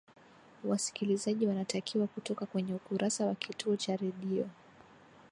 wasikilizaji wanatakiwa kutoka kwenye ukurasa wa kituo cha redio